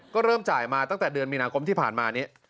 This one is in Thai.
ก็เริ่มจ่ายมาตั้งแต่เดือนมีนาคมที่ผ่านมานี้